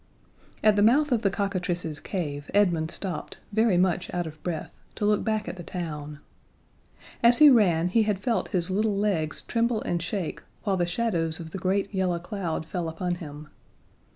At the mouth of the cockatrice's cave Edmund stopped, very much out of breath, to look back at the town. As he ran he had felt his little legs tremble and shake, while the shadows of the great yellow cloud fell upon him.